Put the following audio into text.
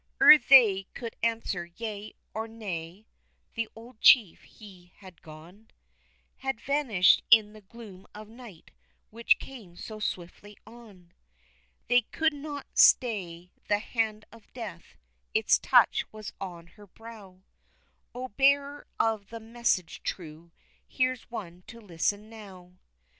Ere they could answer yea or nay, the old chief he had gone, Had vanished in the gloom of night which came so swiftly on. They could not stay the hand of death, its touch was on her brow, O, bearer of the message true, here's one to listen now!